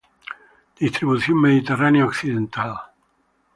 Distribución mediterránea occidental.